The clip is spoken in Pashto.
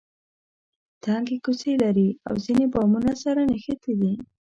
تنګې کوڅې لري او ځینې بامونه سره نښتي دي.